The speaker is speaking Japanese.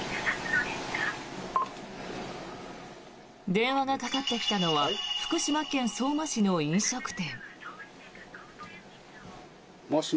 電話がかかってきたのは福島県相馬市の飲食店。